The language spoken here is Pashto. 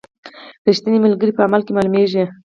رښتینی ملګری په عمل کې معلومیږي.